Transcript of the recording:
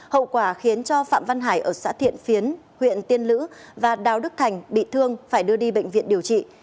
hậu quả khiến cho phạm văn hải ở xã thiện phiến huyện tiên lữ và đào đức thành bị thương phải đưa đi bệnh viện điều trị